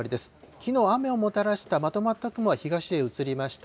きのう、雨をもたらしたまとまった雲は東へ移りました。